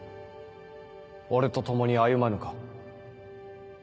俺と共に歩まぬか？